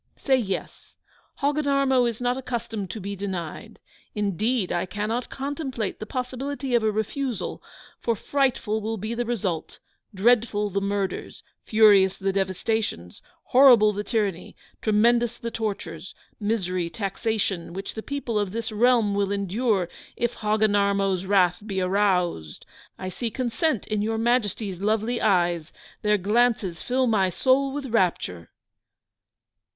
Say yes; Hogginarmo is not accustomed to be denied. Indeed I cannot contemplate the possibility of a refusal: for frightful will be the result; dreadful the murders; furious the devastations; horrible the tyranny; tremendous the tortures, misery, taxation, which the people of this realm will endure, if Hogginarmo's wrath be aroused! I see consent in Your Majesty's lovely eyes their glances fill my soul with rapture!